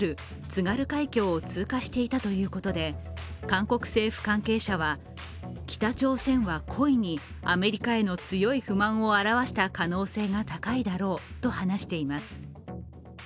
津軽海峡を通過していたということで、韓国政府関係者は北朝鮮は故意にアメリカへの強い不満を表した可能性が高いだろうと離しています。